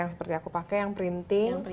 yang ngerjain yang pusing